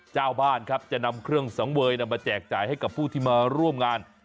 เจ้าบ้านครับจะนำเครื่องสังเวยนำมาแจกจ่ายให้กับผู้ที่มาร่วมงาน